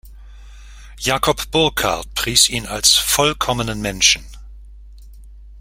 Jacob Burckhardt pries ihn als „vollkommenen Menschen“.